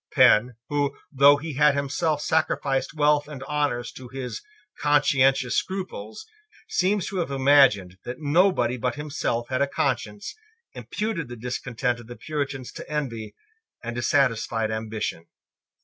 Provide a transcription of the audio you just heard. Penn, who, though he had himself sacrificed wealth and honours to his conscientious scruples, seems to have imagined that nobody but himself had a conscience, imputed the discontent of the Puritans to envy and dissatisfied ambition.